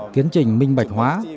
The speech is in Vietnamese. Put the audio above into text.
tiến trình minh bạch hóa